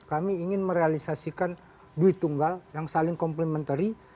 kami ingin merealisasikan duit tunggal yang saling complementary